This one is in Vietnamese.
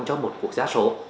cho một quốc gia số